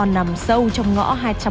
nằm sâu trong ngõ hai trăm một mươi tám